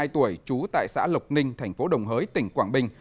ba mươi hai tuổi trú tại xã lộc ninh thành phố đồng hới tỉnh quảng bình